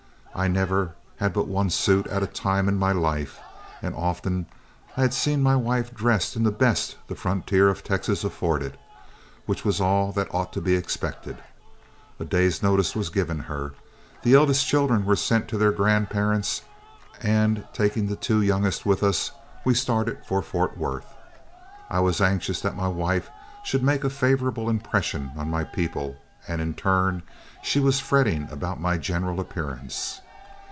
I never had but one suit at a time in my life, and often I had seen my wife dressed in the best the frontier of Texas afforded, which was all that ought to be expected. A day's notice was given her, the eldest children were sent to their grandparents, and taking the two youngest with us, we started for Fort Worth. I was anxious that my wife should make a favorable impression on my people, and in turn she was fretting about my general appearance.